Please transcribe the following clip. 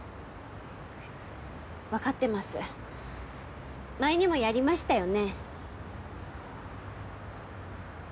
わかってます前にもやりましたよね？